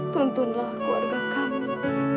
tuntunlah keluarga kami